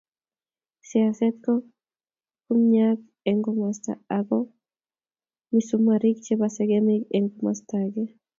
siaset ko kumnyaat eng komosta age ko misumarik chebo segemik eng komosta age